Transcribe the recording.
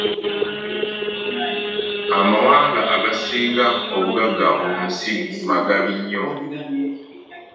Amawanga agasinga obugagga mu nsi magabi nnyo.